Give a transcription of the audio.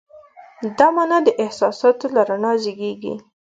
دا مانا د احساساتو له رڼا زېږېږي.